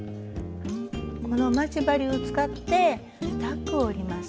この待ち針を使ってタックを折ります。